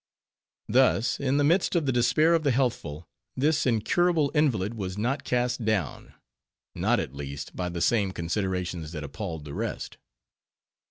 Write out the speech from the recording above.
Thus, in the midst of the despair of the healthful, this incurable invalid was not cast down; not, at least, by the same considerations that appalled the rest.